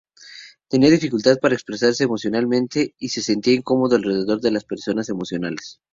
Tenía dificultad para expresarse emocionalmente, y se sentía incómodo alrededor de las personas emocionales.